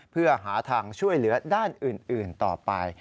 เพื่อหาทางช่วยเหลือด้านอื่นต่อไป